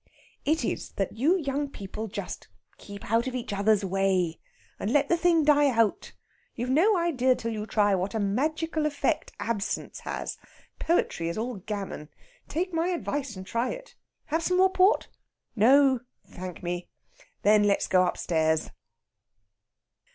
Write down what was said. It is that you young people just keep out of each other's way, and let the thing die out. You've no idea till you try what a magical effect absence has; poetry is all gammon. Take my advice, and try it. Have some more port? No thank me! Then let's go upstairs."